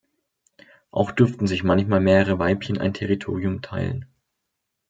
Auch dürften sich manchmal mehrere Weibchen ein Territorium teilen.